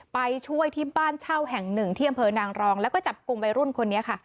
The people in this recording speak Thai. ไปช่วยที่บ้านเช่าแห่งหนึ่งที่อำเภอนางรองแล้วก็จับกลุ่มวัยรุ่นคนนี้ค่ะ